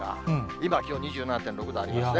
今、気温２７．６度ありますね。